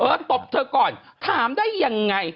ตบเธอก่อนถามได้ยังไง